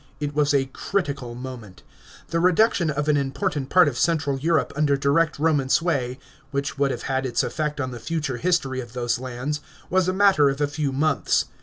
It was a critical moment. The reduction of an important part of central Europe under direct Kornan sway — which would have had its effect on the future history of those lauds — was a matter of a lew months.